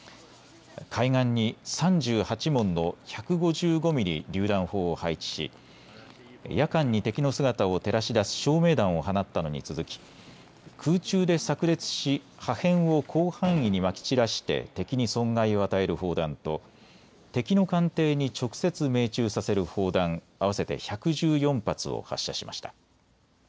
海岸に３８門の１５５ミリりゅう弾砲を配置し夜間に敵の姿を照らし出す照明弾を放ったのに続き空中で炸裂し、破片を広範囲にまき散らして敵に損害を与える砲弾と敵の艦艇に直接命中させる砲弾合わせて１１４発を発射しました。